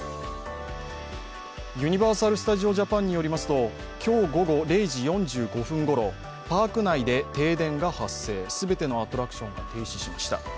ユニバーサル・スタジオ・ジャパンによりますと今日午後０時４５分ごろパーク内で停電が発生、全てのアトラクションが停止しました。